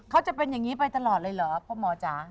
เขาจะเป็นอย่างนี้ไปตลอดเลยเหรอพ่อหมอจ๋า